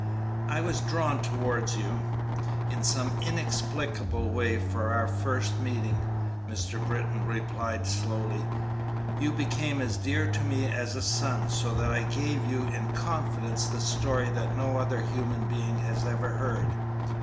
"I was drawn towards you in some inexplicable way from our first meeting," Mr. Britton replied, slowly; "you became as dear to me as a son, so that I gave you in confidence the story that no other human being has ever heard.